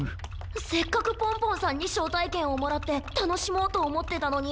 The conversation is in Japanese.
せっかくポンポンさんにしょうたいけんをもらってたのしもうとおもってたのに。